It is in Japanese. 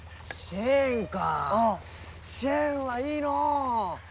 「シェーン」はいいのう。